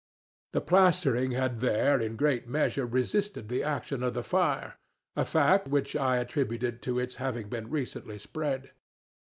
The plastering had here, in great measure, resisted the action of the fireŌĆöa fact which I attributed to its having been recently spread.